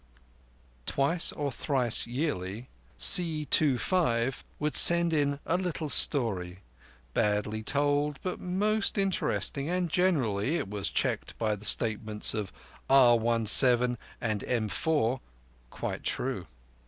Twice or thrice yearly C25 would send in a little story, baldly told but most interesting, and generally—it was checked by the statements of R17 and M4—quite true.